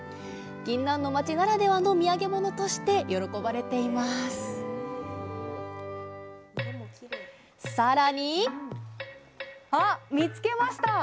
ぎんなんの町ならではの土産物として喜ばれていますさらにあっ見つけました。